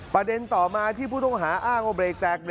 ประเด็นต่อมาที่ผู้ต้องหาอ้างว่าเบรกแตก